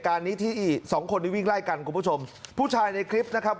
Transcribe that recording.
การนี้ที่สองคนนี่ลัยกันก็ไม่ชมผู้ชายในกริ๊บนะครับ